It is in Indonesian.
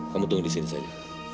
kamu tunggu di sini saja